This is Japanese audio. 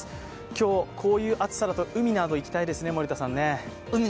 今日、こういう暑さだと海など行きたいですね。